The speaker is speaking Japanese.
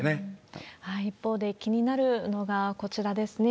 一方で、気になるのがこちらですね。